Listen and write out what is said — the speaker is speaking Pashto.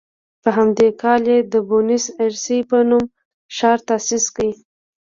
په همدې کال یې د بونیس ایرس په نوم ښار تاسیس کړ.